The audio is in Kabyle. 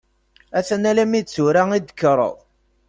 A-t-an alammi d tura i d-tekkreḍ.